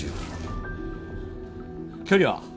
距離は！？